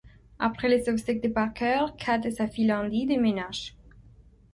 Après les obsèques de Parker, Cate et sa fille Andy déménagent.